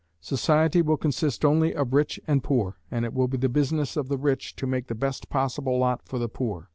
Society will consist only of rich and poor, and it will be the business of the rich to make the best possible lot for the poor.